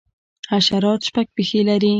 حشرات شپږ پښې لري